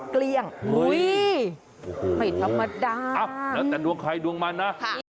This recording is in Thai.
เกลี้ยงไม่ธรรมดาแล้วแต่ดวงใครดวงมันนะ